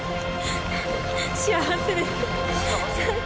幸せです。